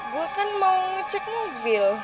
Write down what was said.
gue kan mau ngecek mobil